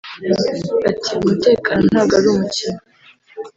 Ati “Umutekano ntabwo ari umukino